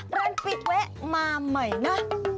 รนต์ปิดไว้มาใหม่น่ะ